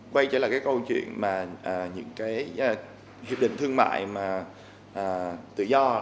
quay trở lại cái câu chuyện mà những cái hiệp định thương mại mà tự do